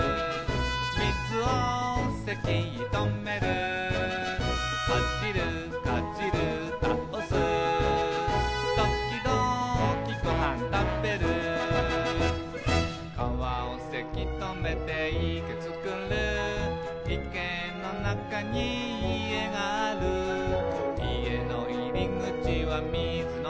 「みずをせきとめる」「かじるかじるたおす」「ときどきごはんたべる」「かわをせきとめていけつくる」「いけのなかに家がある」「家のいりぐちはみずのなか」